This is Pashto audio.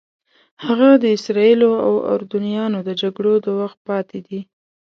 هغه د اسرائیلو او اردنیانو د جګړو د وخت پاتې دي.